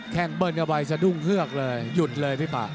แข่งเบิร์นกระบายจะดุ้งเคือกเลยหยุดเลยพี่ป่าว